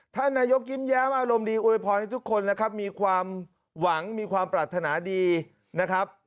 ท่านนายกยิ้มแย้มอารมณ์ดีอวยพรให้ทุกคนนะครับมีความหวังมีความปรารถนาดีนะครับ